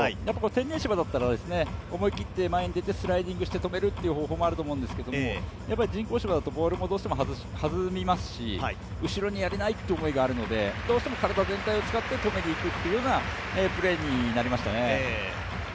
天然芝だったら、思い切って前に出てスライディングして止めるという方法もあると思うんですけど人工芝だとボールもどうしても弾みますし後ろにやれないという思いがあるので、どうしても体全体を使って止めにいくというようなプレーになりましたね。